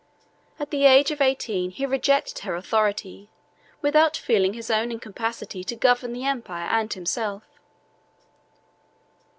At the age of eighteen, he rejected her authority, without feeling his own incapacity to govern the empire and himself.